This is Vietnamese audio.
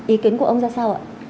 ý kiến của ông ra sao ạ